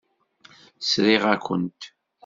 Sriɣ-akent.